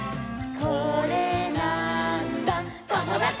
「これなーんだ『ともだち！』」